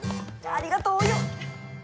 ありがとうお葉！